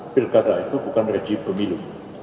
pilkada itu bukan rejim pemilu